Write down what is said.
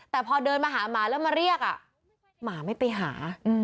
แต่พอเดินมาหาหมาแล้วมาเรียกหมาไม่ไปหา